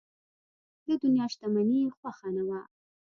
د دنیا شتمني یې خوښه نه وه.